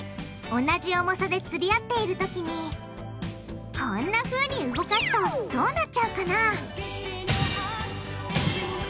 同じ重さでつり合っているときにこんなふうに動かすとどうなっちゃうかな？